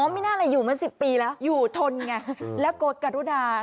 อ๋อไม่น่าเหลืออยู่เมื่อสิบปีแล้วอยู่ทนไงฮึแล้วกดการุนา